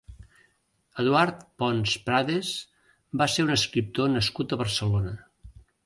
Eduard Pons Prades va ser un escriptor nascut a Barcelona.